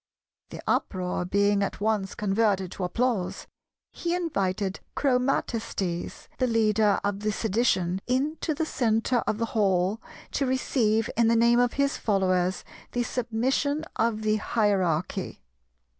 The uproar being at once converted to applause, he invited Chromatistes, the leader of the Sedition, into the centre of the hall, to receive in the name of his followers the submission of the Hierarchy.